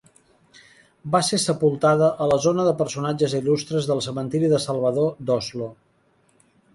Va ser sepultada a la zona de personatges il·lustres del Cementiri del Salvador d'Oslo.